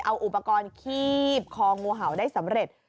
เอาอุปกรณ์คีบคองูเห่าได้สำเร็จ